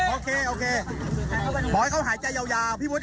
โอเคโอเคทุกคนก็ช่วยอยู่แจนเย็นนะพี่น้ำ